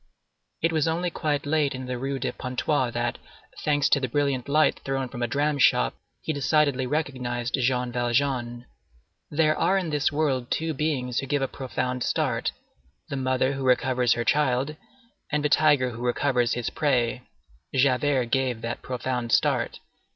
It was only quite late in the Rue de Pontoise, that, thanks to the brilliant light thrown from a dram shop, he decidedly recognized Jean Valjean. There are in this world two beings who give a profound start,—the mother who recovers her child and the tiger who recovers his prey. Javert gave that profound start.